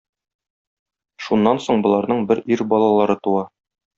Шуннан соң боларның бер ир балалары туа.